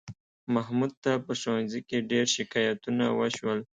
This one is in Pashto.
محمود ته په ښوونځي کې ډېر شکایتونه وشول